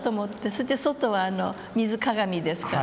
それで外は水鏡ですからね。